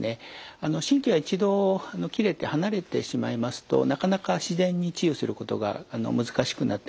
神経は一度切れて離れてしまいますとなかなか自然に治癒することが難しくなってまいります。